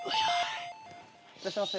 いらっしゃいませ。